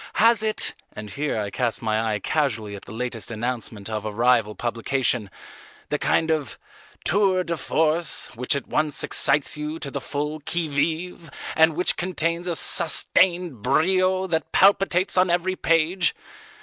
Has it," and here I cast my eye casually at the latest announcement of a rival publication, "the kind of tour de force which at once excites you to the full qui vive and which contains a sustained brio that palpitates on every page?